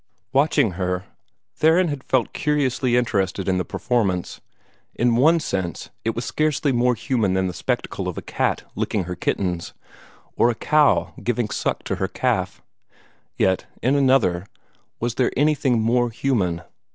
Watching her, Theron had felt curiously interested in the performance. In one sense, it was scarcely more human than the spectacle of a cat licking her kittens, or a cow giving suck to her calf. Yet, in another, was there anything more human?